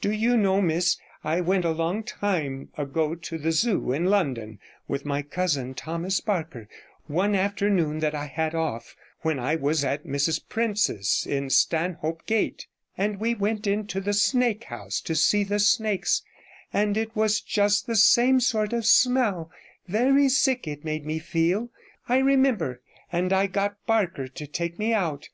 Do you know, miss, I went a long time ago to the Zoo in London with my cousin Thomas Barker, one afternoon that I had off, when I was at Mrs Prince's in Stanhope Gate, and we went into the snake house to see the snakes, and it was just the same sort of smell; very sick it made me feel, I remember, and I got Barker to take me out.